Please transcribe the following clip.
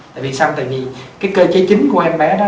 tại vì sau tại vì cái cơ chế chính của em bé đó